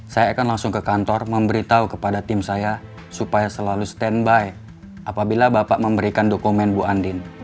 saya akan langsung ke kantor memberitahu kepada tim saya supaya selalu standby apabila bapak memberikan dokumen bu andin